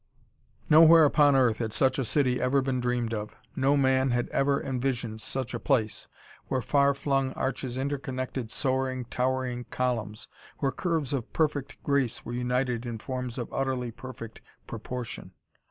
Nowhere upon earth had such a city ever been dreamed of. No man had ever envisioned such a place, where far flung arches interconnected soaring, towering columns, where curves of perfect grace were united in forms of utterly perfect proportion....